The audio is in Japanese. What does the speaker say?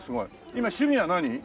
今趣味は何？